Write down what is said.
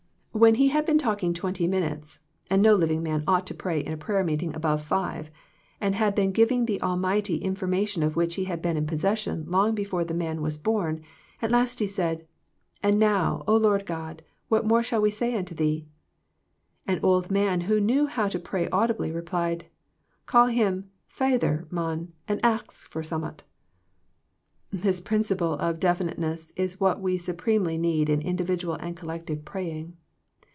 When he had been talking twenty minutes, and no living 120 THE PEACTICE OF PEAYEE man ought to pray in a prayer meeting above five, and had been giving the Almighty in formation of which He had been in possession long before the man was born, at last he said, " And now, O Lord God, what more shall we say unto Thee ?" An old man who knew how to pray audibly replied " Call Him ' Feyther,' mon, and ax for summat." This principle of definite ness is what we supremely need in individual and collective praying.